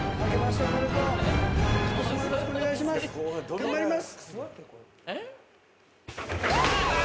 頑張ります。